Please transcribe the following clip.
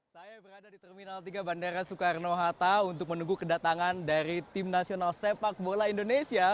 saya berada di terminal tiga bandara soekarno hatta untuk menunggu kedatangan dari tim nasional sepak bola indonesia